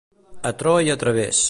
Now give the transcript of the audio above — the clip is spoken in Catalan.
A tro i a través.